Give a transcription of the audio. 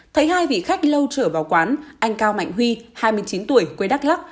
thấy hai vị khách lâu trở vào quán anh cao mạnh huy hai mươi chín tuổi quê đắc lớn